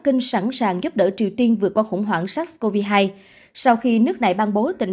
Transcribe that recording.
kinh sẵn sàng giúp đỡ triều tiên vượt qua khủng hoảng sars cov hai sau khi nước này ban bố tình